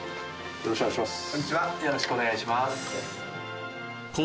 よろしくお願いします。